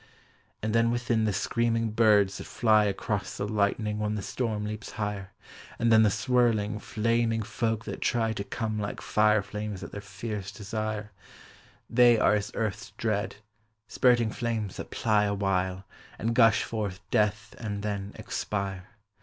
And then within the screaming birds that fly Across the lightning when the storm leaps higher; And then the swirling, flaming folk that try To come like fire flames at their fierce desire, They are as earth's dread, spurting flames that ply Awhile and gush forth death and then expire.